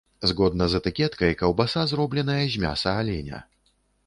Згодна з этыкеткай, каўбаса зробленая з мяса аленя.